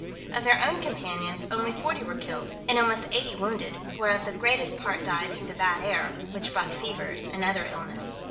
Of their own companions only forty were killed, and almost eighty wounded, whereof the greatest part died through the bad air, which brought fevers and other illness.